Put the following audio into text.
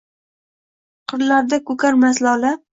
Qirlarida ko‘karmas lola.